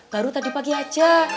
baru tadi pagi aja